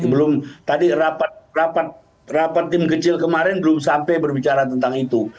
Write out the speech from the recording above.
belum tadi rapat rapat tim kecil kemarin belum sampai berbicara tentang itu